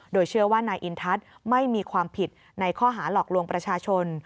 โดยเชื่อว่านายอินทัศน์ไม่มีความผิดในข้อหาหลอกลวงประชาชน